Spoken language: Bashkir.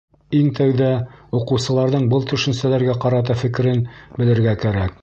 Иң тәүҙә уҡыусыларҙың был төшөнсәләргә ҡарата фекерен белергә кәрәк.